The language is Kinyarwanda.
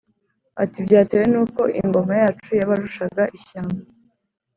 ati:” byatewe n’uko ingoma yacu yabarushaga ishyamba.